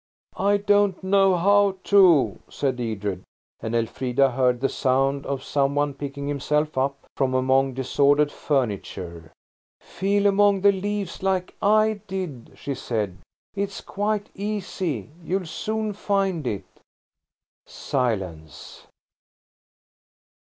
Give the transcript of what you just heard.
"I don't know how to," said Edred, and Elfrida heard the sound of some one picking himself up from among disordered furniture. "Feel among the leaves, like I did," she said. "It's quite easy. You'll soon find it." Silence.